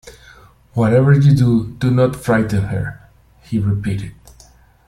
"Whatever you do, do not frighten her," he repeated.